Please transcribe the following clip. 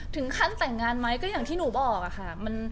ถึงขั้นแต่งงานไหมก็อย่างที่หนูบอกอะค่ะ